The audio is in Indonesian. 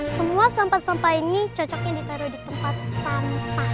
semua sampah sampah ini cocoknya ditaruh di tempat sampah